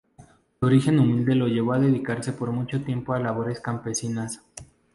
Su origen humilde lo llevó a dedicarse por mucho tiempo a labores campesinas.